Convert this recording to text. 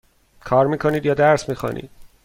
کار می کنید یا درس می خوانید؟